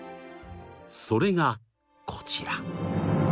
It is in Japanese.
それがこちら！